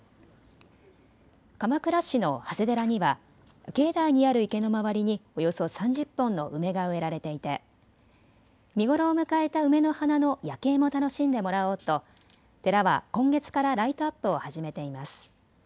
鎌倉市の長谷寺には境内にある池の周りにおよそ３０本の梅が植えられていて見頃を迎えた梅の花の夜景も楽しんでもらおうと寺は今月からライトアップを始めています。